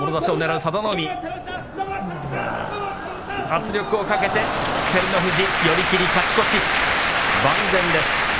圧力をかけて照ノ富士寄り切り、勝ち越し、万全です